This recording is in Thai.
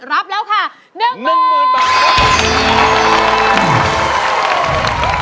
รับแล้วค่ะ๑หมื่นบาท